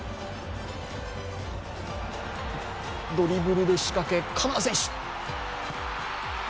ドリブルで仕掛け、鎌田選手！